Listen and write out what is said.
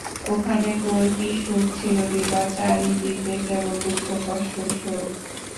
এখানে তোর কী সুখ ছিল বিভা, চারি দিকে কেবল দুঃখ কষ্ট শোক।